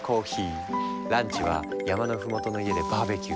ランチは山の麓の家でバーベキュー。